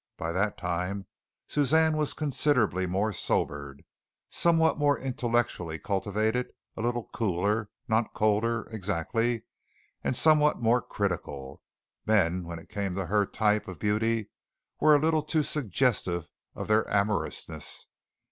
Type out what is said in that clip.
By that time Suzanne was considerably more sobered, somewhat more intellectually cultivated, a little cooler not colder exactly and somewhat more critical. Men, when it came to her type of beauty, were a little too suggestive of their amorousness.